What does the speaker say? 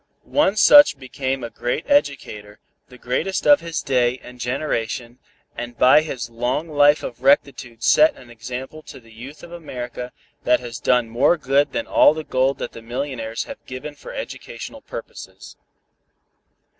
One such became a great educator, the greatest of his day and generation, and by his long life of rectitude set an example to the youth of America that has done more good than all the gold that all the millionaires have given for educational purposes.